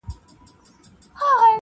بس کیسې دي د پنځه زره کلونو-